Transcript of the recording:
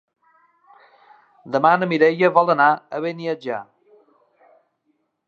Demà na Mireia vol anar a Beniatjar.